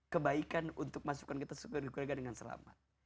kebaikan untuk masukkan kita ke kerajaan dengan selamat